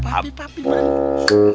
papi papi berani